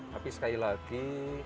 tapi sekali lagi